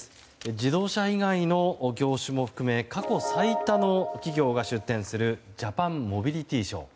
自動車以外の業種も含め過去最多の企業が出展する「ジャパンモビリティショー」。